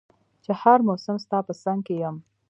چي هر مسم ستا په څنګ کي يم